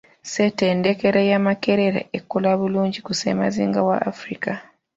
Ssettendekero ya Makerere ekola bulungi ku ssemazinga wa Africa.